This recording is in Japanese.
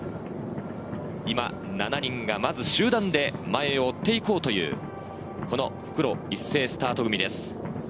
今、７人が集団で前を追って行こうという、この復路一斉スタート組です。